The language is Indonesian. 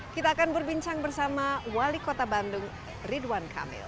kita akan berbincang bersama wali kota bandung ridwan kamil